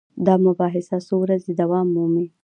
دا مباحثه څو ورځې دوام مومي.